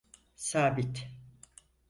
Sabit…